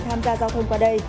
tham gia giao thông qua đây